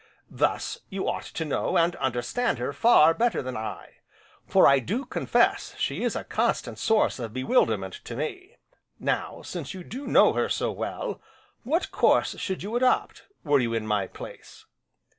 Thus, you ought to know, and understand her far better than I, for I do confess she is a constant source of bewilderment to me. Now, since you do know her so well, what course should you adopt, were you in my place?